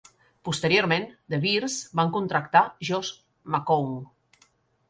Posteriorment, The Bears van contractar Josh McCown.